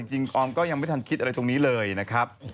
ออมก็ยังไม่ทันคิดอะไรตรงนี้เลยนะครับ